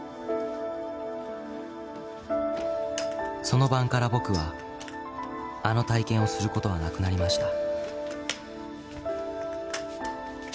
［その晩から僕はあの体験をすることはなくなりました］